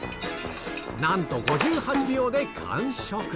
なんと５８秒で完食。